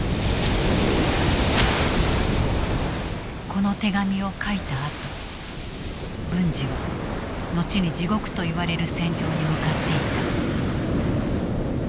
この手紙を書いたあと文次は後に地獄といわれる戦場に向かっていた。